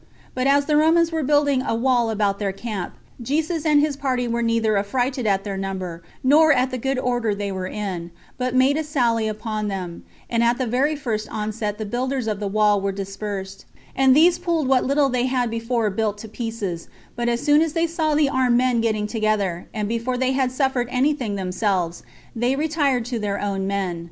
But as the Romans were building a wall about their camp, Jesus and his party were neither affrighted at their number, nor at the good order they were in, but made a sally upon them; and at the very first onset the builders of the wall were dispersed; and these pulled what little they had before built to pieces; but as soon as they saw the armed men getting together, and before they had suffered any thing themselves, they retired to their own men.